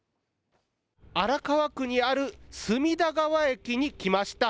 荒川区にある隅田川駅に来ました。